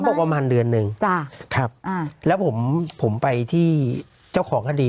เขาบอกว่าประมาณเดือนหนึ่งครับแล้วผมไปที่เจ้าของก็ดี